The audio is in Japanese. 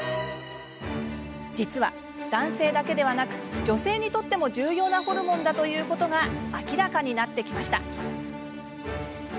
実は、男性だけでなく女性にとっても重要なホルモンだということが明らかになってきました。